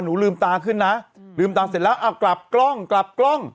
ลืมตาขึ้นนะลืมตาเสร็จแล้วเอากลับกล้องกลับกล้อง